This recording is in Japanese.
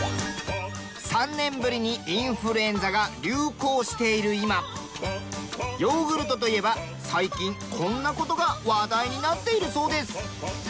３年ぶりにインフルエンザが流行している今ヨーグルトといえば最近こんな事が話題になっているそうです！